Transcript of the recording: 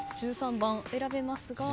１３番選べますが。